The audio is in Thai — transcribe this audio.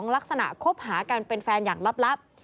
ลักษณะคบหากันเป็นแฟนอย่างลับ